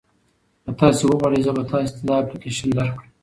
که تاسي وغواړئ زه به تاسي ته دا اپلیکیشن درکړم.